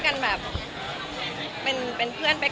ก็เลยเอาข้าวเหนียวมะม่วงมาปากเทียน